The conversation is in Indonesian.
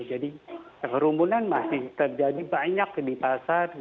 jadi kerumunan masih terjadi banyak di pasar